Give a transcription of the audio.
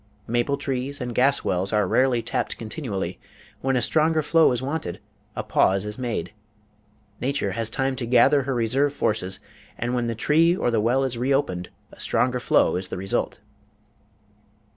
Maple trees and gas wells are rarely tapped continually; when a stronger flow is wanted, a pause is made, nature has time to gather her reserve forces, and when the tree or the well is reopened, a stronger flow is the result.